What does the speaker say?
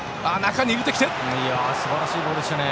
すばらしいボールでしたね。